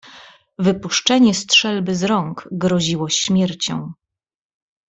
"Wypuszczenie strzelby z rąk groziło śmiercią."